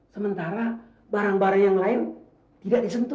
sementara barang barang yang lain tidak disentuh